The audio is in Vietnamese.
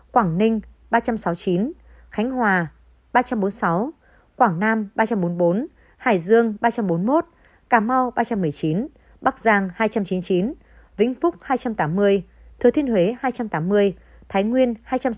quảng ninh ba trăm sáu mươi chín khánh hòa ba trăm bốn mươi sáu quảng nam ba trăm bốn mươi bốn hải dương ba trăm bốn mươi một cà mau ba trăm một mươi chín bắc giang hai trăm chín mươi chín vĩnh phúc hai trăm tám mươi thừa thiên huế hai trăm tám mươi thái nguyên hai trăm sáu mươi chín